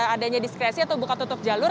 adanya diskresi atau buka tutup jalur